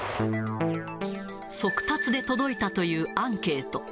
速達で届いたというアンケート。